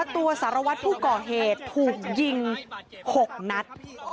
ถูกยิง๖นัด